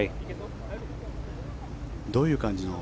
どういう感じの？